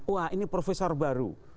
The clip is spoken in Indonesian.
nah ini profesor baru